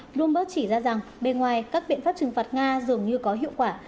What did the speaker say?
bloomberg chỉ ra rằng bề ngoài các biện pháp trừng phạt nga dường như có hiệu quả